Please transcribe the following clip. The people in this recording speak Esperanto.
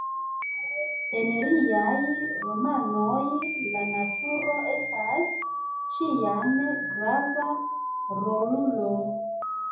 En liaj romanoj la naturo estas ĉiam grava rolulo.